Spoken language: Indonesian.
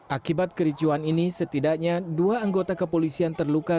akibat kericuan ini setidaknya dua anggota kepolisian terluka